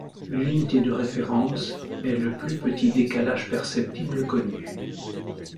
L'unité de référence est le plus petit décalage perceptible connu.